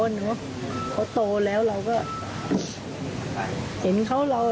บอกว่าเขาโตแล้วเรา